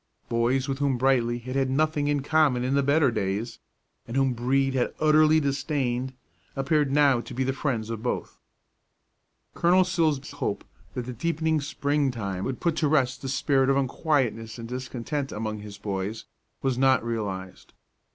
Boys with whom Brightly had had nothing in common in the better days, and whom Brede had utterly disdained, appeared now to be the friends of both. Colonel Silsbee's hope that the deepening spring time would put to rest the spirit of unquietness and discontent among his boys was not realized.